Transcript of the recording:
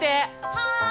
はい！